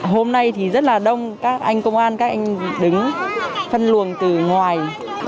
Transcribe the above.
hôm nay thì rất là đông các anh công an các anh đứng phân luồng từ ngoài